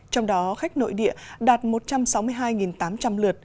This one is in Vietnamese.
trong đó khách nội địa đạt một trăm sáu mươi hai tám trăm linh lượt